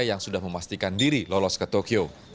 yang sudah memastikan diri lolos ke tokyo